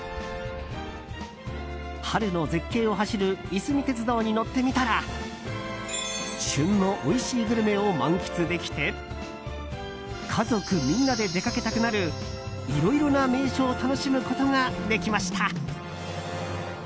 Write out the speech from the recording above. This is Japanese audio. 春の絶景を走るいすみ鉄道に乗ってみたら旬のおいしいグルメを満喫できて家族みんなで出かけたくなるいろいろな名所を楽しむことができました。